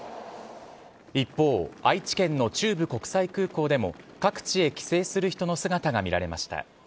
一方、愛知県の中部国際空港でも、各地へ帰省する人の姿が見られました。